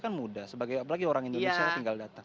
ini mudah apalagi orang indonesia tinggal datang